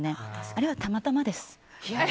あれはたまたまです。